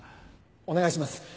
お願いします！